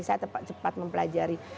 saya cepat mempelajari